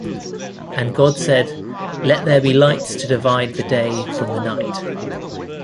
And God said, Let there be lights to divide the day from the night;